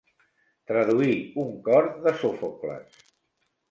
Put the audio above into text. Traduir un cor de Sòfocles.